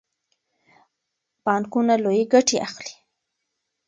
بانکونه لویې ګټې اخلي.